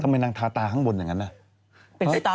ทำไมนางทาตาข้างบนอย่างนั้น